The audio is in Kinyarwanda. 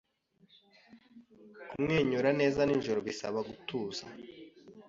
Kumwenyura neza nijoro bisaba gutuza